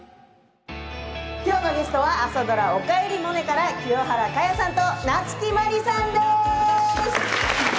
きょうのゲストは朝ドラ「おかえりモネ」から清原果耶さんと夏木マリさんです。